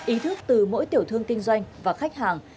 ý thức từ mỗi tiểu thương kinh doanh và khách hàng